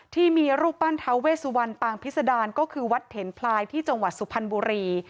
ที่มีรูปปั้นท้าเวสุวรรณปางพิษดารก็คือวัดเถนพลายที่จังหวัดสุพรรณบุรี